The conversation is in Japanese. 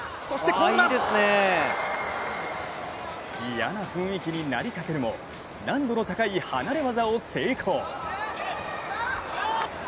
嫌な雰囲気になりかけるも難度の高い離れ業に成功。